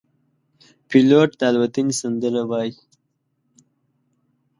پیلوټ د الوتنې سندره وايي.